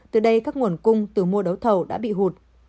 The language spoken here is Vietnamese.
từ đây các nguồn cung từ mua đấu thầu đã bị hụt